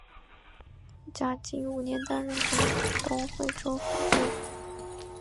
嘉靖五年担任广东惠州府知府。